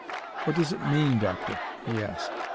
"What does it mean, Doctor?" he asked.